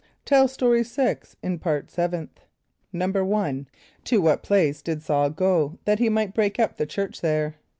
(Tell Story 6 in Part Seventh.) =1.= To what place did S[a:]ul go, that he might break up the church there?